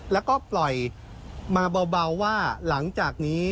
แล้วก็ปล่อยมาเบาว่าหลังจากนี้